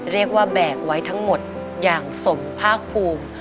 เรียกว่าแบ่งไว้ทั้งหมดอย่างสมภาคภูมิ